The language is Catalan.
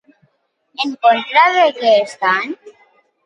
En contra de què estan?